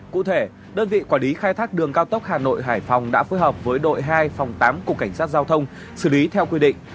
cụ thể đơn vị quản lý khai thác đường cao tốc hà nội hải phòng đã phối hợp với đội hai phòng tám của cảnh sát giao thông xử lý theo quy định